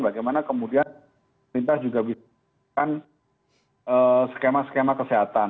bagaimana kemudian kita juga bisa menggunakan skema skema kesehatan